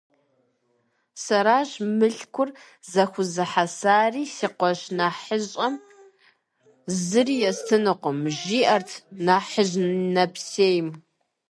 - Сэращ мылъкур зэхуэзыхьэсари, си къуэш нэхъыщӀэм зыри естынукъым, - жиӀэрт нэхъыжь нэпсейм.